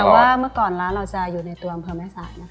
แต่ว่าเมื่อก่อนร้านเราจะอยู่ในตัวอำเภอแม่สายนะคะ